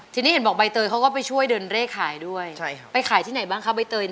ทีนี้เห็นบอกใบเตยเขาก็ไปช่วยเดินเร่ขายด้วยไปขายที่ไหนบ้างคะใบเตย